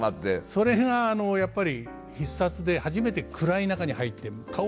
それがやっぱり「必殺」で初めて暗い中に入って顔も見えない。